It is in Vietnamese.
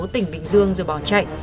tỉnh bình dương rồi bỏ chạy